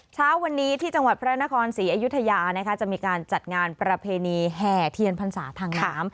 เช้าวันนี้ที่จังหวัดพระนครศรีอยุธยาจะมีการจัดงานประเพณีแห่เทียนพรรษาทางน้ำ